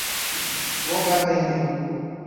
وہ کر دیں گے۔